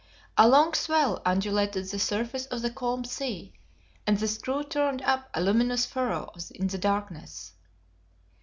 A long swell undulated the surface of the calm sea, and the screw turned up a luminous furrow in the darkness.